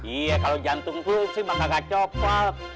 iya kalau jantung tuh sih bang kagak copot